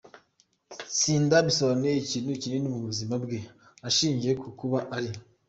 tsinda bisobanuye ikintu kinini mu buzima bwe, ashingiye ku kuba ari